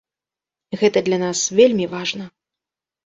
Гэта для нас вельмі важна.